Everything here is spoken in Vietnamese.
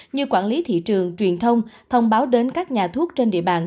như quản lý thị trường truyền thông thông báo đến các nhà thuốc trên địa bàn